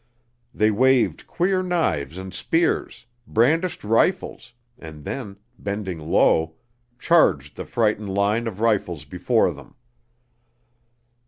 They waved queer knives and spears, brandished rifles, and then, bending low, charged the frightened line of rifles before them.